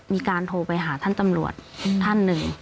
มีการโทรไปหาท่านตำรวจท่านหนึ่ง